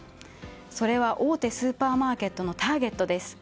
それは大手スーパーマーケットのターゲットです。